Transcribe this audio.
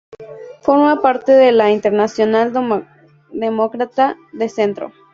Forma parte de la Internacional Demócrata de Centro.